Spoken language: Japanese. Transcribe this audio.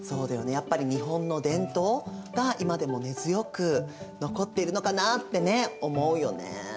やっぱり日本の伝統が今でも根強く残っているのかなってね思うよね。